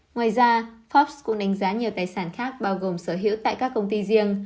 ngoài ra forbes cũng đánh giá nhiều tài sản khác bao gồm sở hữu tại các công ty riêng